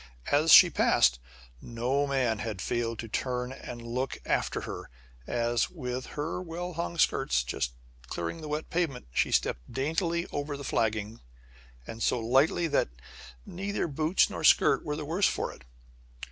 As she passed, no man had failed to turn and look after her, as, with her well hung skirts just clearing the wet pavement, she stepped daintily over the flagging, and so lightly that neither boots nor skirt were the worse for it.